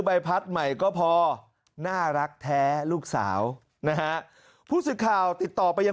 ใบพัดใหม่ก็พอน่ารักแท้ลูกสาวนะฮะผู้สื่อข่าวติดต่อไปยัง